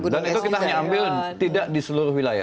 dan itu kita hanya ambil tidak di seluruh wilayah